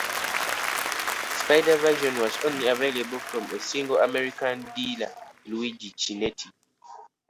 Spyder version was only available from a single American dealer, Luigi Chinetti.